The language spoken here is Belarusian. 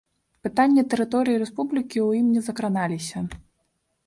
Пытанні тэрыторыі рэспублікі ў ім не закраналіся.